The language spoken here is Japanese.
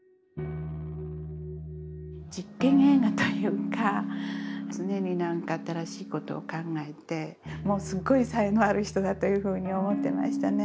実験映画というか常に何か新しい事を考えてすごい才能ある人だというふうに思ってましたね。